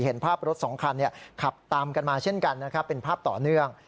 เห็นภาพรถสองคันขับตามกันมาเช่นกันนะครับเป็นภาพต่อเนื่อง